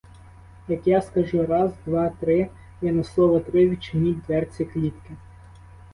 Як я скажу раз, два, три, ви на слово три відчиніть дверці клітки.